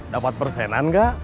dapat persenan gak